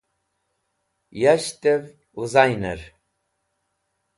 Yashtev Wizainer